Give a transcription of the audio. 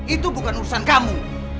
itu bukan urusan kamu